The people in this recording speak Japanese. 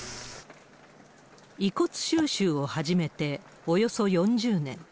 遺骨収集を始めておよそ４０年。